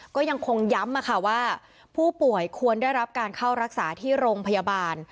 ก็ยังคงย้ำว่าผู้ป่วยควรได้รับการเข้ารักษาที่โรงพยาบาล